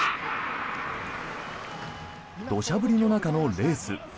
土砂降りの中のレース。